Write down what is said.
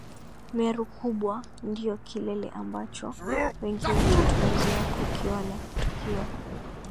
Meru kubwa ndio kilele ambacho wengi wetu tumezoea kukiona tukiwa